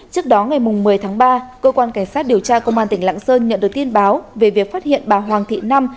trước đó ngày một mươi tháng ba cơ quan cảnh sát điều tra công an tỉnh lạng sơn nhận được tin báo về việc phát hiện bà hoàng thị năm